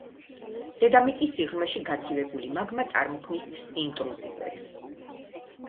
დედამიწის სიღრმეში გაცივებული მაგმა წარმოქმნის ინტრუზივებს.